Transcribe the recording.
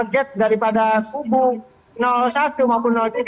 menurut saya itu adalah perangkat dari pada tubuh satu maupun tiga